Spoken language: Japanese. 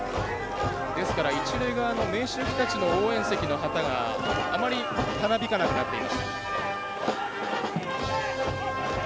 ですから、一塁側の明秀日立の旗があまりたなびかなくなっています。